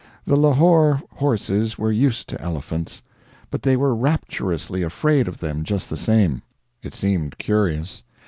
The Lahore horses were used to elephants, but they were rapturously afraid of them just the same. It seemed curious.